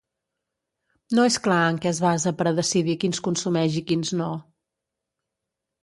No és clar en què es basa per a decidir quins consumeix i quins no.